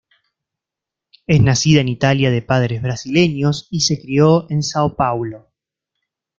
Es nacida en Italia de padres brasileños y se crio en São Paulo.